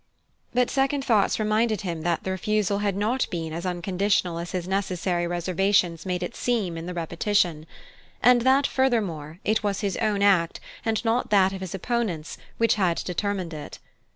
But second thoughts reminded him that the refusal had not been as unconditional as his necessary reservations made it seem in the repetition; and that, furthermore, it was his own act, and not that of his opponents, which had determined it.